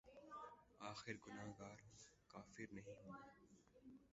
آخر گناہگار ہوں‘ کافر نہیں ہوں میں